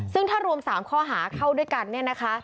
ซึ่งถ้ารวม๓ข้อหาเข้าด้วยกัน